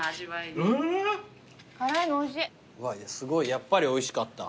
やっぱりおいしかった。